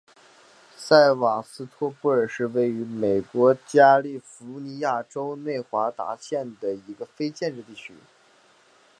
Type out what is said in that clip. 塞瓦斯托波尔是位于美国加利福尼亚州内华达县的一个非建制地区。